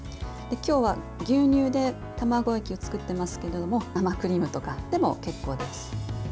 今日は牛乳で卵液を作ってますけど生クリームとかでも結構です。